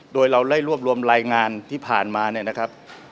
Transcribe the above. โดยเราได้รวบรวมรายงานที่ผ่านมา